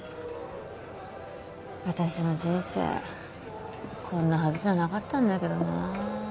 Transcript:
私の人生こんなはずじゃなかったんだけどな